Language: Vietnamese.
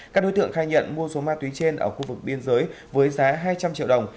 các đối tượng khai nhận mua số ma túy trên ở khu vực biên giới với giá hai trăm linh triệu đồng